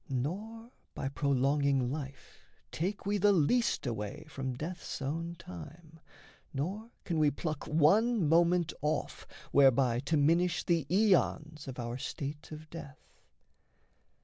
Nor by prolonging life Take we the least away from death's own time, Nor can we pluck one moment off, whereby To minish the aeons of our state of death.